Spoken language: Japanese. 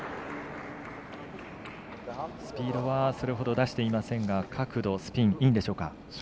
スピードはそれほど出していませんが角度、スピンいいんでしょうか？